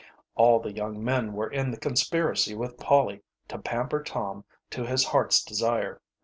All the young men were in the conspiracy with Polly to pamper Tom to his heart's desire.